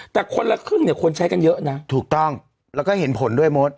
แต่คนละครึ่งเนี่ยคนใช้กันเยอะนะถูกต้องแล้วก็เห็นผลด้วยมด